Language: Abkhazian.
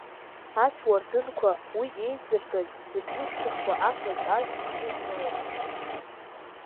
Ацәуардынқәаа, уи еизыргаз, ирзышьҭыхуа афатә-ажәтә еидышәкылароуп.